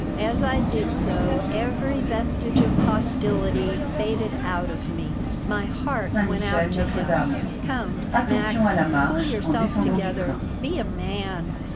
As I did so every vestige of hostility faded out of me. My heart went out to him. "Come, Max, pull yourself together! Be a man!"